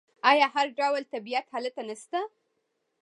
آیا هر ډول طبیعت هلته نشته؟